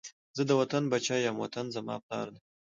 زه د وطن بچی یم، وطن زما پلار دی